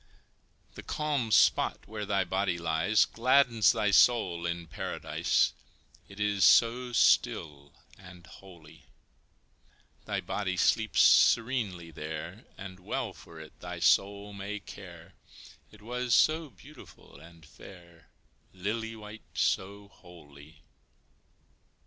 The calm spot where thy body lies Gladdens thy soul in Paradise, It is so still and holy; Thy body sleeps serenely there, And well for it thy soul may care, It was so beautiful and fair, Lily white so wholly.